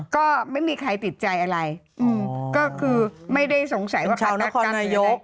ก็ไม่มีใครติดใจอะไรก็คือไม่ได้สงสัยว่าชาวนครนายก